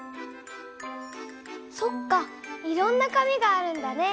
そっかいろんな紙があるんだね。